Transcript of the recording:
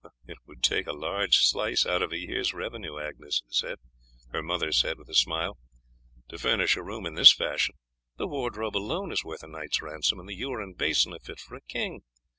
"It would take a large slice out of a year's revenue, Agnes," her mother said with a smile, "to furnish a room in this fashion. That wardrobe alone is worth a knight's ransom, and the ewer and basin are fit for a king.